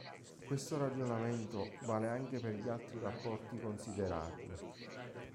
Questo ragionamento vale anche per gli altri rapporti considerati.